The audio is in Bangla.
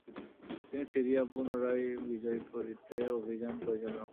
তিনি সিরিয়া পুনরায় বিজয় করতে অভিযান পরিচালনা করেন।